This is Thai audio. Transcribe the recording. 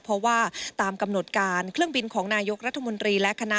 เพราะว่าตามกำหนดการเครื่องบินของนายกรัฐมนตรีและคณะ